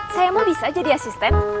saya mah bisa jadi asisten